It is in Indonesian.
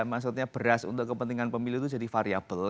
maksudnya beras untuk kepentingan pemilih itu jadi variable